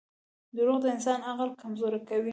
• دروغ د انسان عقل کمزوری کوي.